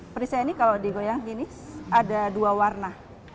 perisnya ini kalau digoyang gini ada dua warna